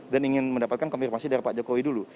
dan ingin mendapatkan konfirmasi dari pak jokowi dulu